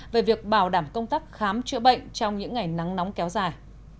về việc bảo đảm công tác khám chữa bệnh trong những ngày nắng nóng kéo dài